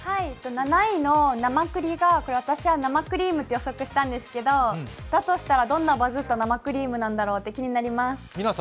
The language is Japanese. ７位のなまくりが、私は生クリームだと予想したんですけど、だとしたら、どんなバズった生クリームなんだろうと気になります。